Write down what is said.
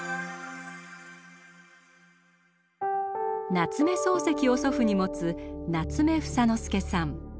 夏目漱石を祖父に持つ夏目房之介さん。